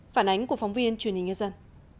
phản ánh của phóng viên truyền hình nghe dân